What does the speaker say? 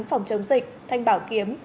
phòng chống dịch thanh bảo kiếm